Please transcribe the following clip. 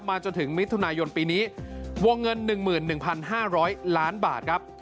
จนถึงมิถุนายนปีนี้วงเงิน๑๑๕๐๐ล้านบาทครับ